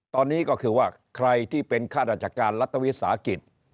ตอนนี้ก็คือว่าใครที่เป็นข้าราชการรัฐวิสาหกิจ